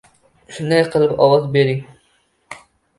Shunday qilib, ovoz bering